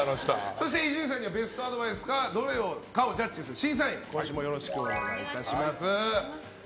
そして伊集院さんはベストアドバイスがどれかをジャッジする審査員を今週もよろしくお願いします。